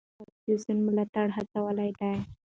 ده د اپوزېسیون ملاتړ هڅولی دی.